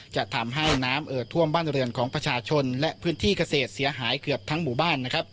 จะทำให้น้ำเอิดท่วมบ้านเรือนของประชาชนและพื้นที่เกษตรเสียหายเกือบทั้งหมู่บ้านนะครับ